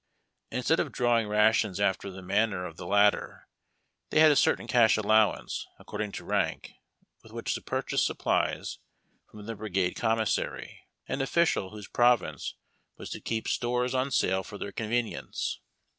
Instead of drawing rations after the manner of the latter, they had a certain cash allowance, according to rank, with which to purchase supplies from the Brigade Commissary, an official whose province was to keep stores ABMY BATIONS. Hg on sale for their convenience.